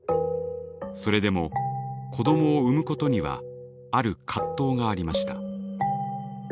それでも子どもを産むことにはある葛藤がありました。